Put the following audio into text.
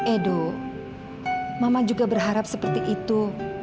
edo mama juga berharap seperti itu